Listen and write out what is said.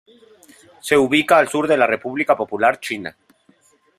Se ubica al sur de la República Popular China.